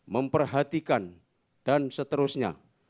memperhatikan dan seterusnya